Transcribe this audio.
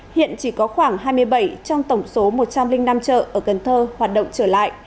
hiện chỉ có khoảng hai mươi bảy trong tổng số một trăm linh năm chợ ở cần thơ hoạt động trở lại